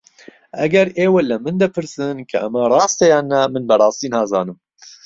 ئەگەر ئێوە لە من دەپرسن کە ئەمە ڕاستە یان نا، من بەڕاستی نازانم.